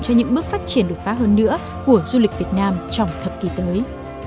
cho những bước phát triển đột phá hơn nữa của du lịch việt nam trong thập kỷ tới